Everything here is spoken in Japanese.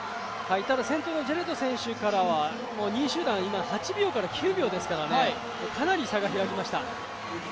先頭のジェルト選手からは、２位集団８９秒ですからかなり差が開きました。